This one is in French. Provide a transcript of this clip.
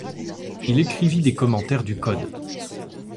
Il écrivit des commentaires du Code.